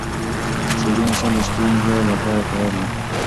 شعوري انسان د ستونزو لپاره تیار وي.